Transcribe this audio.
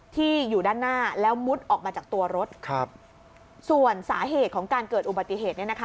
ที่อยู่ด้านหน้าแล้วมุดออกมาจากตัวรถครับส่วนสาเหตุของการเกิดอุบัติเหตุเนี่ยนะคะ